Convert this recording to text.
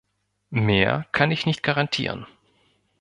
Mehr kann ich nicht garantieren.